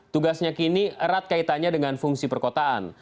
tugasnya kini erat kaitannya dengan fungsi perkotaan